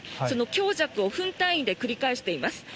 強弱を分単位で繰り返しています。